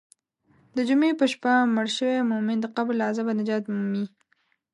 د جمعې په شپه مړ شوی مؤمن د قبر له عذابه نجات مومي.